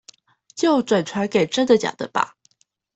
就轉傳給真的假的吧